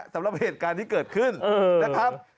สำหรับเหตุการณ์ที่เกิดขึ้นนะครับ